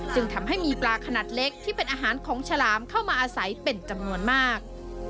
จึงทำให้มีปลาขนาดเล็กที่เป็นอาหารของฉลามเข้ามาอาศัยเป็นจำนวนมาก